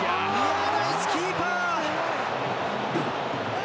ナイスキーパー！